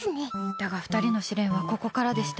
だが２人の試練はここからでした。